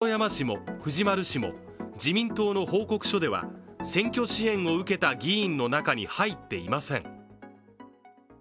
しかし鳩山氏も藤丸氏も自民党の報告書では選挙支援を受けた議員の中に入っていません。